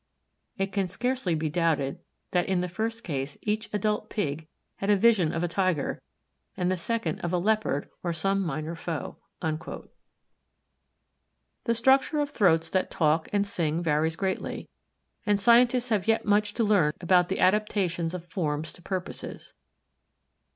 It can scarcely be doubted that in the first case each adult Pig had a vision of a Tiger, and the second of a Leopard or some minor foe." The structure of throats that talk and sing varies greatly, and scientists have yet much to learn about the adaptations of forms to purposes.